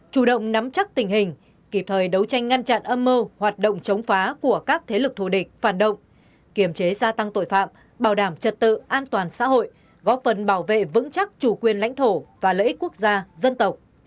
chủ động nắm chắc tình hình kịp thời đấu tranh ngăn chặn âm mơ hoạt động chống phá của các thế lực thù địch phản động kiểm chế gia tăng tội phạm bảo đảm trật tự an toàn xã hội góp phần bảo vệ vững chắc chủ quyền lãnh thổ và lợi ích quốc gia dân tộc